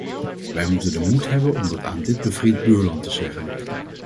Wij moeten de moed hebben om dat aan dit bevriend buurland te zeggen.